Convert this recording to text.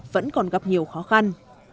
vẫn còn gặp nhiều khó khăn